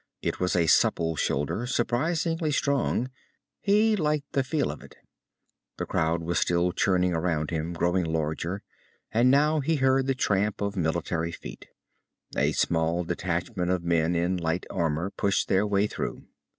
It was a supple shoulder, surprisingly strong. He liked the feel of it. The crowd was still churning around him, growing larger, and now he heard the tramp of military feet. A small detachment of men in light armor pushed their way through.